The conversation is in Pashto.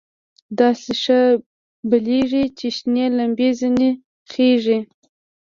داسې ښه بلېږي چې شنې لمبې ځنې خېژي.